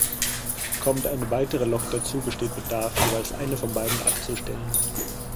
Kommt eine weitere Lok dazu, besteht Bedarf, jeweils eine von beiden abzustellen.